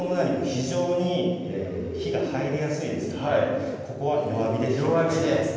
非常に火が入りやすいですのでここは弱火で火を通していきます